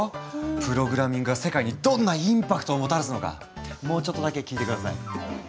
プログラミングは世界にどんなインパクトをもたらすのかもうちょっとだけ聞いて下さい。